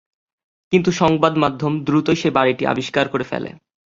কিন্তু সংবাদমাধ্যম দ্রুতই সে বাড়িটি আবিষ্কার করে ফেলে।